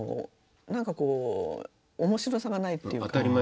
何かこう面白さがないっていうか。